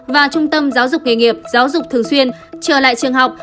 và trung tâm giáo dục nghề nghiệp giáo dục thường xuyên trở lại trường học